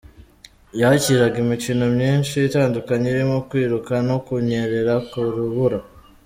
Yakiraga imikino myinshi itandukanye irimo kwiruka no kunyerera ku rubura.